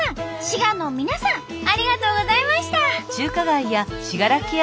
滋賀の皆さんありがとうございました。